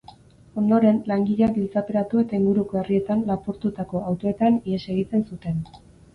Ondoren, langileak giltzaperatu eta inguruko herrietan lapurtutako autoetan ihes egiten zuten.